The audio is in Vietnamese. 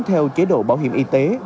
theo chế độ bảo hiểm y tế